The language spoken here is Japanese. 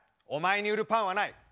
お前に売るパンはない。